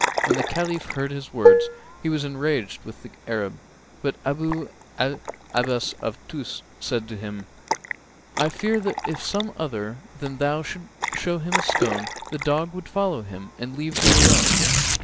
When the Caliph heard his words, he was enraged with the Arab, but Abu 'l Abbás of Tús said to him, 'I fear that if some other than thou should show him a scone, the dog would follow him and leave thee alone.'